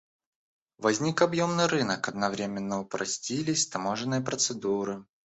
Возник объемный рынок, одновременно упростились таможенные процедуры.